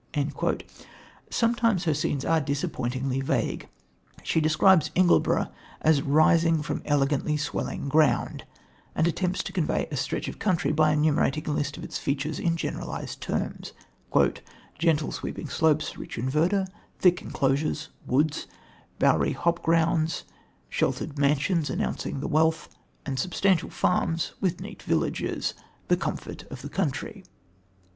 " Sometimes her scenes are disappointingly vague. She describes Ingleborough as "rising from elegantly swelling ground," and attempts to convey a stretch of country by enumerating a list of its features in generalised terms: "Gentle swelling slopes, rich in verdure, thick enclosures, woods, bowery hop grounds, sheltered mansions announcing the wealth, and substantial farms with neat villages, the comfort of the country."